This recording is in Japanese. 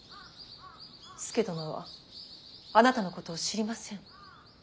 佐殿はあなたのことを知りません。